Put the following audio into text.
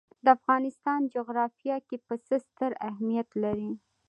د افغانستان جغرافیه کې پسه ستر اهمیت لري.